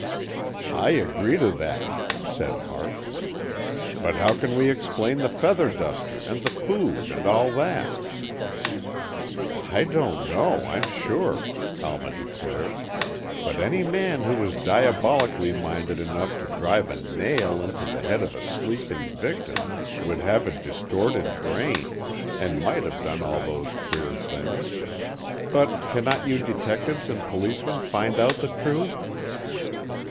"I agree to that," said Hart. "But how can we explain the feather duster and the food and all that?" "I don't know, I'm sure," Alma declared, "but any man who was diabolically minded enough to drive a nail into the head of a sleeping victim would have a distorted brain, and might have done all those queer things. But cannot you detectives and policemen find out the truth?"